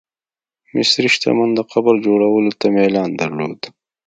مصري شتمن د قبر جوړولو ته میلان درلود.